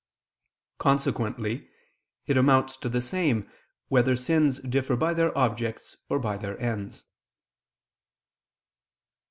Consequently it amounts to the same whether sins differ by their objects or by their ends.